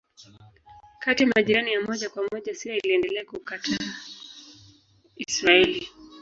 Kati ya majirani ya moja kwa moja Syria iliendelea kukataa Israeli.